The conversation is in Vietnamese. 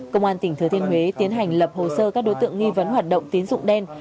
công an tỉnh thừa thiên huế tiến hành lập hồ sơ các đối tượng nghi vấn hoạt động tín dụng đen